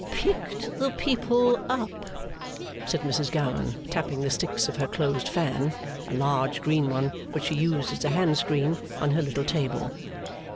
'Picked the people up,' said Mrs Gowan, tapping the sticks of her closed fan (a large green one, which she used as a hand screen) on her little table.